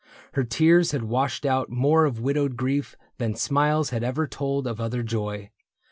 Her tears had washed out more of widowed grief Than smiles had ever told of other joy.